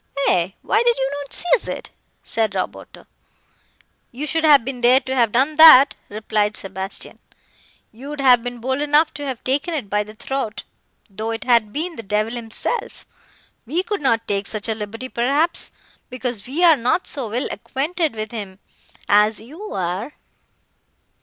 "Aye, why did you not seize it?" said Roberto. "You should have been there to have done that," replied Sebastian. "You would have been bold enough to have taken it by the throat, though it had been the devil himself; we could not take such a liberty, perhaps, because we are not so well acquainted with him, as you are.